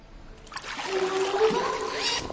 ホンマにおるが？